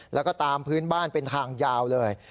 แล้วก็ตามพื้นบ้านเป็นทางยาวเลย